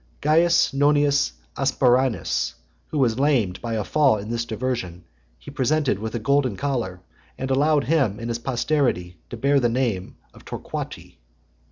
Caius Nonius Asprenas, who was lamed by a fall in this diversion, he presented with a gold collar, and allowed him and his posterity to bear the surname of Torquati.